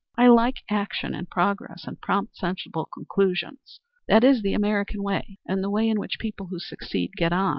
I like action, and progress and prompt, sensible conclusions. That is the American way, and the way in which people who succeed get on.